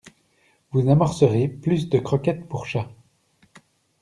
Vous amorcerez plus de croquettes pour chats.